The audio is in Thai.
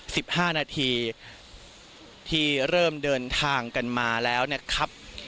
สิบห้านาทีที่เริ่มเดินทางกันมาแล้วนะครับ